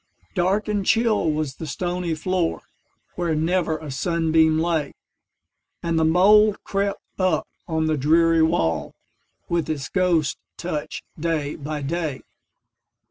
Dark and chill was the stony floor, Where never a sunbeam lay, And the mould crept up on the dreary wall, With its ghost touch, day by day.